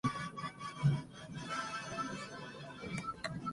Cuando regresaron fueron puestos en prisión por ser sospechosos de ser espías alemanes.